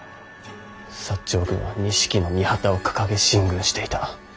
長軍は錦の御旗を掲げ進軍していた。